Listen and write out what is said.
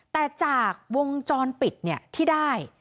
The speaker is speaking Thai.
แต่จากวงจรปิดที่ได้